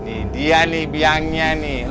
ini dia nih biangnya nih